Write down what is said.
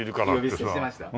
呼び捨てしてました？